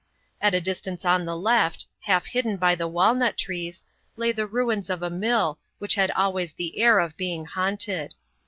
At a distance on the left, half hidden by the walnut trees, lay the ruins of a mill, which had always the air of being haunted.